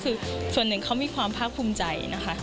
คือส่วนหนึ่งเขามีความภาคภูมิใจนะคะ